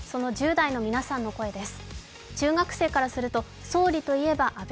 １０代の皆さんの声です。